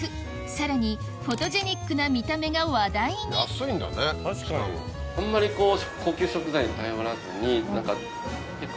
さらにフォトジェニックな見た目が話題にあんまりこう。